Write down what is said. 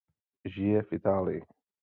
Žije v Itálii.